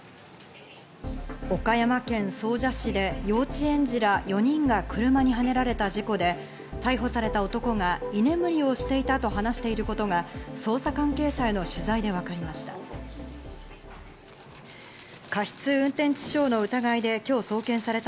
岡山県総社市で幼稚園児ら４人が車にはねられた事故で逮捕された男が居眠りをしていたと話していることが捜査関係者への取材でわかりました。